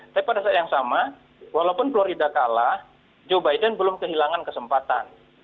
tapi pada saat yang sama walaupun florida kalah joe biden belum kehilangan kesempatan